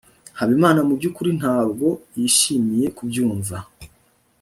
habimana mubyukuri ntabwo yishimiye kubyumva